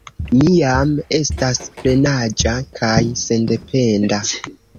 Mi jam estas plenaĝa kaj sendependa.